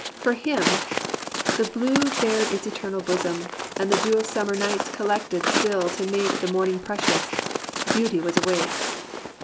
For him "The blue Bared its eternal bosom, and the dew Of summer nights collected still to make The morning precious: beauty was awake!"